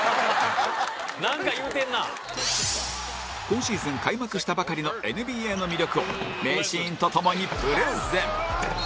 今シーズン開幕したばかりの ＮＢＡ の魅力を名シーンとともにプレゼン